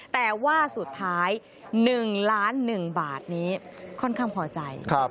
แต่ว่าสุดท้าย๑ล้าน๑บาทนี้ค่อนข้างพอใจ